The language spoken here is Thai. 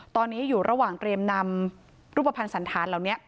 ตอนนี้อยู่ระหว่างเตรียมนำรูปภัณฑ์สันธารเหล่านี้